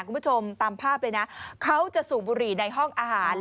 คุณผู้ชมตามภาพเลยนะเขาจะสูบบุหรี่ในห้องอาหาร